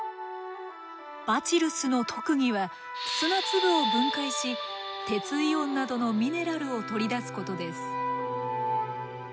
バチルスの特技は砂粒を分解し鉄イオンなどのミネラルを取り出すことです。